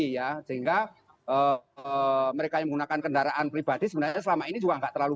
ya sehingga mereka yang menggunakan kendaraan pribadi sebenarnya selama ini juga enggak terlalu